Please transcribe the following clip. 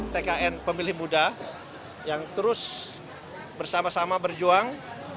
tkn pemilih muda yang terus bersama sama berjuang